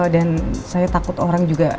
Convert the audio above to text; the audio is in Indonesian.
dan saya takut orang juga